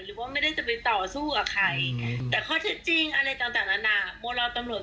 หรือว่าไม่ได้จะไปต่อสู้กับใครแต่ข้อเท็จจริงอะไรต่างนั้นน่ะโมรอตำรวจ